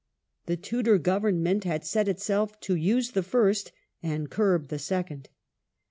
The Tudor govern ment had set itself to use the first and curb the second.